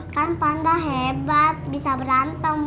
kan panda hebat bisa berantem